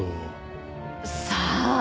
さあ。